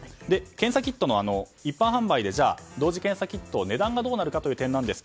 検査キットの一般販売でじゃあ、同時検査キットの値段がどうなるか。